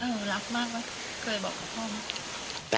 เออรักมากว่ะเคยบอกกับพ่อมั้ย